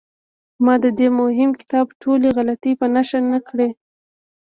ما د دې مهم کتاب ټولې غلطۍ په نښه نه کړې.